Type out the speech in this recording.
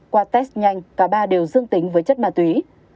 qua test nhanh cả ba đều dương tính với chất ma túy